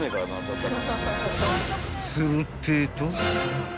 ［するってぇと］